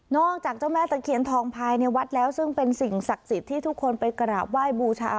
จากเจ้าแม่ตะเคียนทองภายในวัดแล้วซึ่งเป็นสิ่งศักดิ์สิทธิ์ที่ทุกคนไปกราบไหว้บูชา